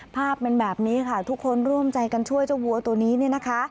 ภาพเป็นแบบนี้ค่ะทุกคนร่วมใจกันช่วยเจ้าวัวตัวนี้เนี่ยนะคะ